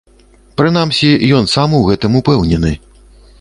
Прынамсі, ён сам у гэтым упэўнены.